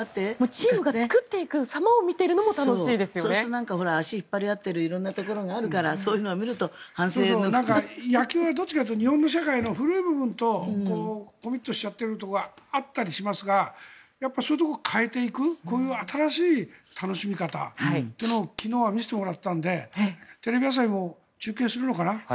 チームを作っていく様を見ているのもそうすると足を引っ張り合っている色んなところがあるから野球はどちらかというと日本の社会の古い部分とコミットしちゃってるところがあったりしますがそういうところを変えていくこういう新しい楽しみ方というのを昨日は見せてもらったのでテレビ朝日も中継するのかな？